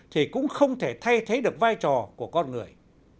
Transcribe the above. thì cũng không thể thay thế được vai trò của con người